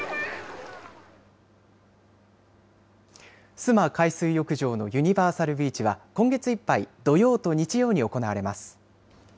須磨海水浴場のユニバーサルビーチは今月いっぱい土曜と日曜に行われます。